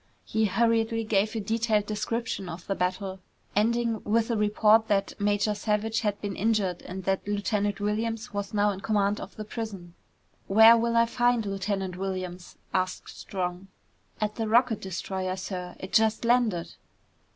He hurriedly gave a detailed description of the battle, ending with a report that Major Savage had been injured and that Lieutenant Williams was now in command of the prison. "Where will I find Lieutenant Williams?" asked Strong. "At the rocket destroyer, sir. It just landed."